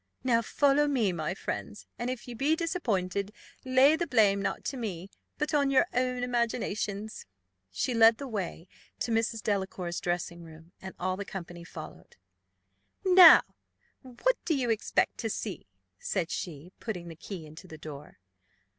Now follow me, my friends; and if you be disappointed, lay the blame, not on me, but on your own imaginations." She led the way to Mrs. Delacour's dressing room, and all the company followed. "Now, what do you expect to see?" said she, putting the key into the door.